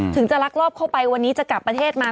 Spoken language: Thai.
จะลักลอบเข้าไปวันนี้จะกลับประเทศมา